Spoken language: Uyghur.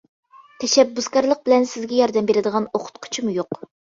تەشەببۇسكارلىق بىلەن سىزگە ياردەم بېرىدىغان ئوقۇتقۇچىمۇ يوق.